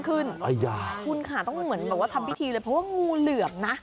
คุณค่ะต้องเหมือนแบบว่าทำพิธีเลยเพราะว่างูเหลือมนะ